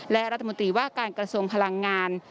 และรัฐมนตรีว่าการกระทรวงพลังงาน